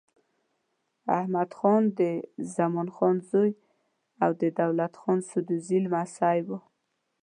احمدخان د زمان خان زوی او د دولت خان سدوزايي لمسی و.